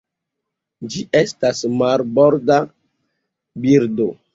Ĝi estas marborda birdo.